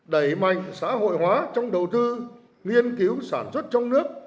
đẩy mạnh xã hội hóa trong đầu tư nghiên cứu sản xuất trong nước